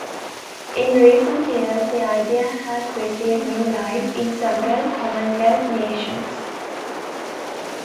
In recent years, the idea has received new life in several Commonwealth nations.